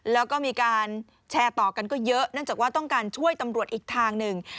แล้วก็มีการแชร์ต่อกันก็เยอะเนื่องจากว่าต้องการช่วยตำรวจอีกทางหนึ่ง